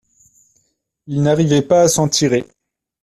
Il n’arrivait pas à s’en tirer.